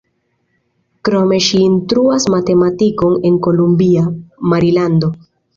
Krome ŝi instruas matematikon en Columbia, Marilando.